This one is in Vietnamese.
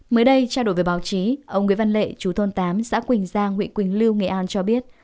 mới đây trao đổi với báo chí ông nguyễn văn lệ chú thôn tám xã quỳnh giang huyện quỳnh lưu nghệ an cho biết